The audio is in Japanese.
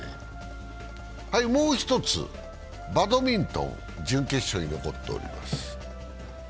もう１つ、バドミントン、準決勝に残っております。